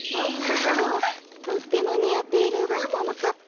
とってもにあっているわももかっぱ。